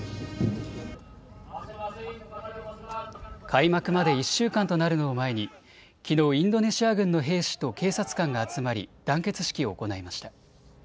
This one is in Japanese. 開幕まで１週間となるのを前にきのうインドネシア軍の兵士と警察官が集まり団結式を行いました。